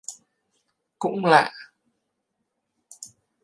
Cũng lạ